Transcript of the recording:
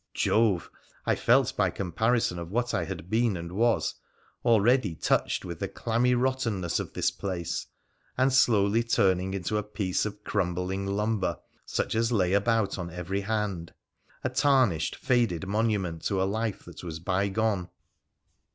Jove ! I felt, by comparison of what I had been and was, already touched with the clammy rottenness of thia place, and slowly turning into a piece of crumbling lumber, such as lay about on every hand — a tarnished, faded monument to a life that was bygone.